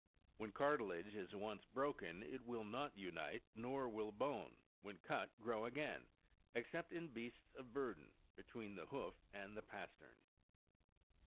When cartilage is once broken, it will not unite ; nor will bone, when cut, grow again, except in beasts of burden, between the hoof and the pastern.